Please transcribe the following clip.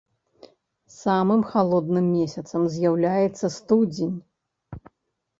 Самым халодным месяцам з'яўляецца студзень.